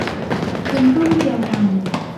คนรุ่นเดียวกัน